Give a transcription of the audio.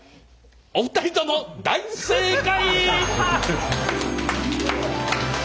お二人とも大正解！